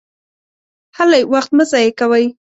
هلئ! وخت مه ضایع کوئ!